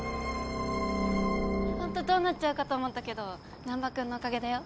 ホントどうなっちゃうかと思ったけど難破君のおかげだよ。